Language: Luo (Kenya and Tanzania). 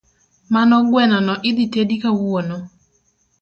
Mano guenono idhi tedi kawuono